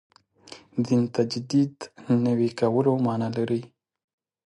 دین تجدید نوي کولو معنا لري.